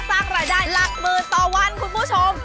สร้างรายได้หลักหมื่นต่อวันคุณผู้ชม